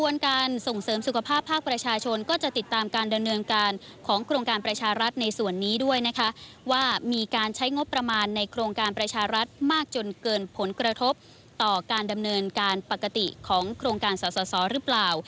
และมีการดำเนินการของโครงการประชารัฐในส่วนนี้ด้วยนะคะว่ามีการใช้งบประมาณในโครงการประชารัฐมากจนเกินผลกระทบต่อการดำเนินการปกติของโครงการสาวหรือเปล่า